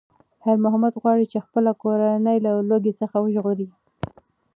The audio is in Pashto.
خیر محمد غواړي چې خپله کورنۍ له لوږې څخه وژغوري.